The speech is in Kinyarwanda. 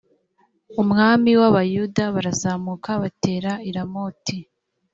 umwami w abayuda barazamuka batera i ramoti